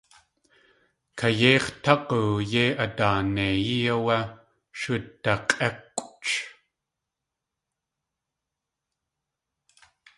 Kayéix̲ tág̲u yéi adaaneiyí áwé sh udak̲ʼékʼwch.